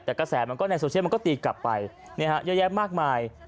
แต่กระแสมันก็ในโซเชียลมันก็ตีกลับไปเยอะแยะมากมาย